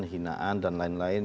hinaan dan lain lain